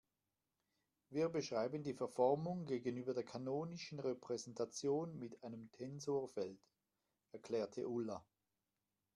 Wir beschreiben die Verformung gegenüber der kanonischen Repräsentation mit einem Tensorfeld, erklärte Ulla.